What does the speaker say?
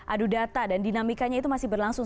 adu data dan dinamikanya itu masih berlangsung